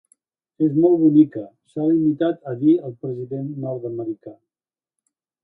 És molt bonica, s’ha limitat a dir el president nord-americà.